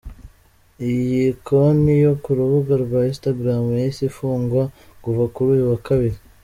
Iyi konti yo ku rubuga rwa Instagram yahise ifungwa kuva kuri uyu wa Kabiri.